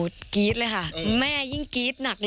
ดีแล้วบีเศก